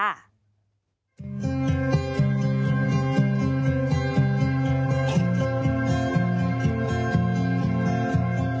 หม่วนเนียมค่ะ